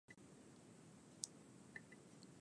そっか、必要ないか